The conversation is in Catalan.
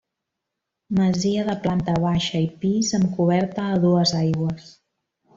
Masia de planta baixa i pis amb coberta a dues aigües.